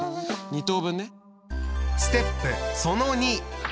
２等分ね。